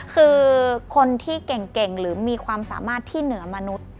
คือคนที่เก่งหรือมีความสามารถที่เหนือมนุษย์